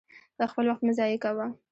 خپل وخت مه ضايع کوه!